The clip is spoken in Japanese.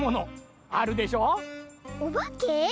・おばけ？